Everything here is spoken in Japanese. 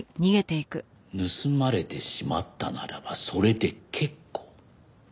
盗まれてしまったならばそれで結構。